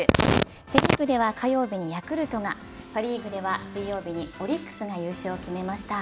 セ・リーグでは火曜日にヤクルトがパ・リーグには水曜日にオリックスが優勝を決めました。